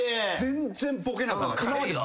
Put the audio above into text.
全然ボケなくなる。